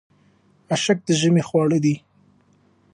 اشک د ژمي خواړه دي.